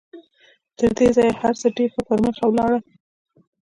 تر دې ځایه هر څه ډېر ښه پر مخ ولاړل